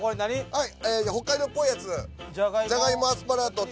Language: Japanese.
はい。